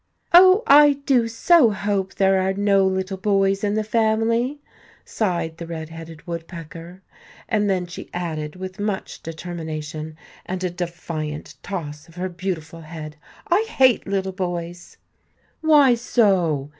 "Oh, I do so hope there are no little boys in the family," sighed the red headed woodpecker; and then she added, with much determination and a defiant toss of her beautiful head: "I hate little boys!" "Why so?"